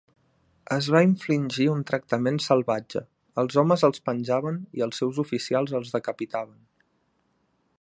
Es va infligir un tractament salvatge, els homes els penjaven i els seus oficials els decapitaven.